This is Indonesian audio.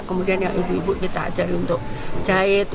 kemudian yang ibu ibu kita ajarin untuk jahit